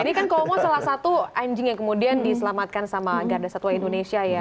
ini kan komo salah satu anjing yang kemudian diselamatkan sama garda satwa indonesia ya